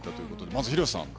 まず廣瀬さん。